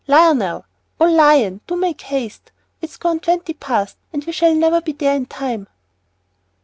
Lionel! Oh, Lion! do make haste! It's gone twenty past, and we shall never be there in time."